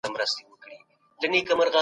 وهمي غږونه د حقیقت بدیله تجربه ګڼل کېږي.